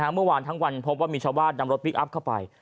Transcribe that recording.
เมื่อวานทั้งวันพบว่ามีชาวบ้านนำรถพลิกอัพเข้าไป